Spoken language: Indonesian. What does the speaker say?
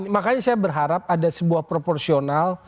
makanya saya berharap ada sebuah proporsional